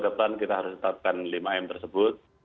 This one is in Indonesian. depan kita harus tetapkan lima m tersebut